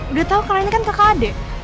udah tau kalian kan kakak adek